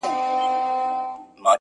o ښکلې ته ښکلی دي خیال دی,